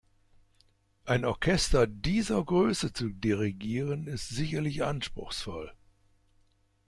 Ein Orchester dieser Größe zu dirigieren, ist sicherlich anspruchsvoll.